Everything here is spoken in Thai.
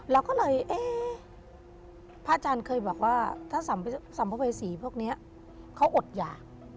แล้วก็เลยพระอาจารย์เคยบอกว่าถ้าสัมพพเวศีพวกนี้เขาอดอย่าง